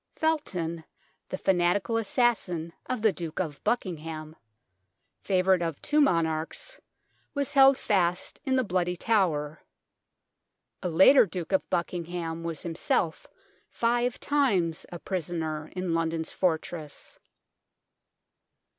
Felton, the fanatical assassin of the Duke of Buckingham, favourite of two monarchs, was held fast in the Bloody Tower. A later Duke of Buckingham was himself five times a prisoner in London's fortress.